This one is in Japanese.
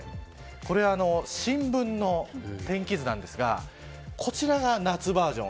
これは新聞の天気図なんですがこれが夏バージョン。